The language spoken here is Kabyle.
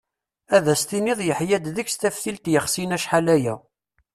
Ad as-tiniḍ yeḥya-d deg-s taftilt yexsin acḥal-aya.